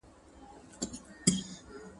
• په کار کي شرم نسته، په خواري کي شرم سته.